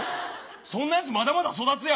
そんなやつまだまだ育つやろ。